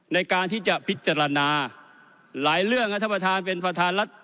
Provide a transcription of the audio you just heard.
ในการที่จะพิจารณาหลายเรื่องครับท่านประธานเป็นประธานรัฐ